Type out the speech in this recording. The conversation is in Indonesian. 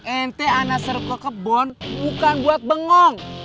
ente anasar kekebon bukan buat bengong